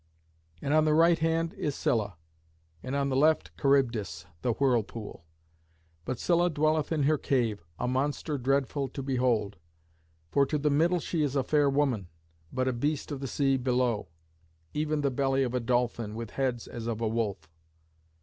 And on the right hand is Scylla, and on the left Charybdis the whirlpool. But Scylla dwelleth in her cave, a monster dreadful to behold; for to the middle she is a fair woman, but a beast of the sea below, even the belly of a dolphin, with heads as of a wolf.